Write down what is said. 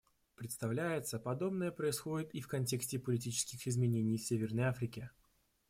Представляется, подобное происходит и в контексте политических изменений в Северной Африке.